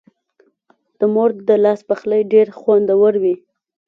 د مور د لاس پخلی ډېر خوندور وي.